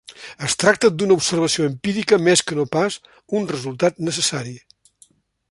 Es tracta d'una observació empírica més que no pas un resultat necessari.